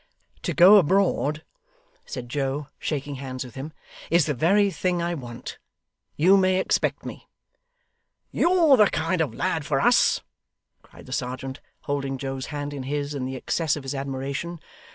'To go abroad,' said Joe, shaking hands with him, 'is the very thing I want. You may expect me.' 'You're the kind of lad for us,' cried the serjeant, holding Joe's hand in his, in the excess of his admiration.